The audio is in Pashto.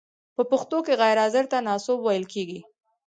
په پښتو کې غیر حاضر ته ناسوب ویل کیږی.